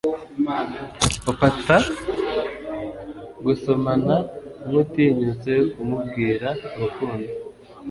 ufata gusomana nkutinyutse ku mubwira urukundo